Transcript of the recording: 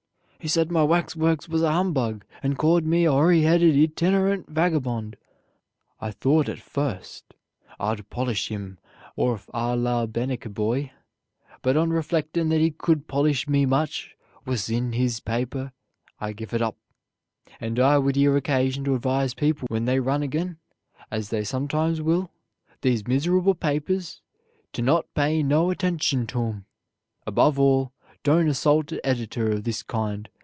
He sed my wax wurks was a humbug, and called me a horey heded itinerent vagabone. I thort at fust Ide pollish him orf ar lar Beneki Boy, but on reflectin' that he cood pollish me much wuss in his paper, I giv it up; and I wood here take occashun to advise people when they run agin, as they sumtimes will, these miserable papers, to not pay no attenshun to um. Abuv all, don't assault a editer of this kind.